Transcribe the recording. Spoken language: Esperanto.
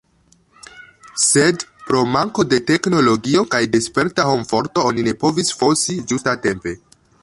Sed pro manko de teknologio kaj de sperta homforto oni ne povis fosi ĝustatempe.